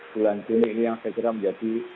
bulan juni ini yang saya kira menjadi